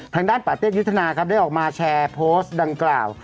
ทางด้านปาเต้ยุทธนาครับได้ออกมาแชร์โพสต์ดังกล่าว